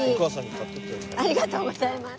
ありがとうございます。